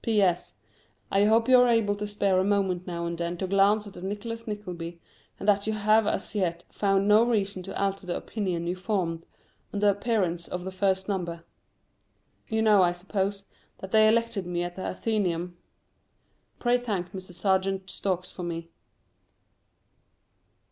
P.S. I hope you are able to spare a moment now and then to glance at "Nicholas Nickleby," and that you have as yet found no reason to alter the opinion you formed on the appearance of the first number. You know, I suppose, that they elected me at the Athenæum? Pray thank Mr. Serjeant Storks for me.